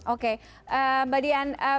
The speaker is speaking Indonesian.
oke mbak dian